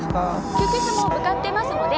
☎救急車もう向かってますので。